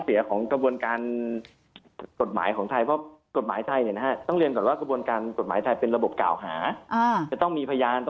เอ่อแต่ว่ามีพญานที่เป็นพยานให้ได้ว่าเออ